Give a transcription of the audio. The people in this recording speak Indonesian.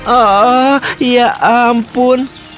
oh ya ampun